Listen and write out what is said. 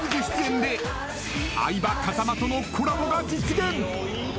更に相葉、風間とのコラボが実現。